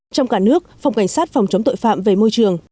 trong cả nước phòng cảnh sát phòng chống tội phạm về môi trường